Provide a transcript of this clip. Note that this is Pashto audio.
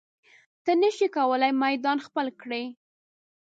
ته نشې کولی میدان خپل کړې.